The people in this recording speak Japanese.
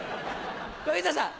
小遊三さん。